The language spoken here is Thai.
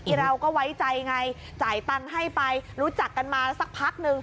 เราก็ไว้ใจไงจ่ายตังค์ให้ไปรู้จักกันมาสักพักนึง